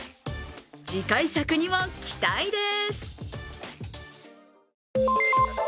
次回作にも期待です。